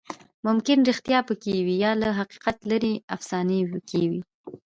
ممکن ریښتیا پکې وي، یا له حقیقت لرې افسانې پکې وي.